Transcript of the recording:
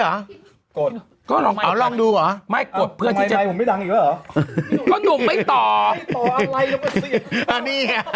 โหตอนนั้นตอนที่ผมลงประมาณหกโมง